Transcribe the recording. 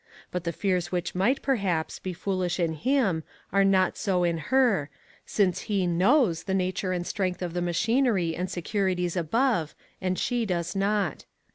But the fears which might, perhaps, be foolish in him, are not so in her, since he knows the nature and the strength of the machinery and securities above, and she does not.